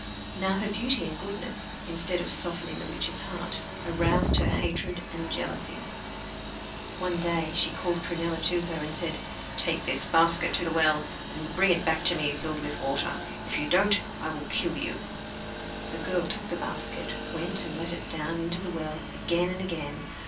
Now her beauty and goodness, instead of softening the witch's heart, aroused her hatred and jealousy. One day she called Prunella to her, and said: 'Take this basket, go to the well, and bring it back to me filled with water. If you don't I will kill you.' The girl took the basket, went and let it down into the well again and again.